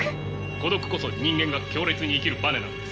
孤独こそ人間が強烈に生きるバネなのです。